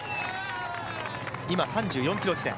今３４ｋｍ地点。